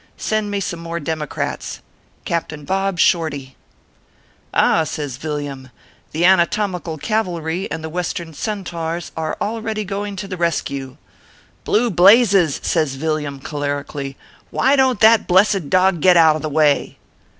Send me some more Democrats. " CAPTAIN BOB SHORTY/ "Ah!" says Yilliam, "the Anatomical Cavalry and the Western Centaurs are already going to the rescue. Blue blazes !" says Villiam, cholerically, " Why don t that blessed dog get out of the way